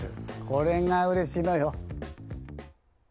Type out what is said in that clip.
これがうれしいのよ。